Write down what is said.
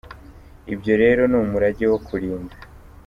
Ibyo rero ni umurage wo kurinda.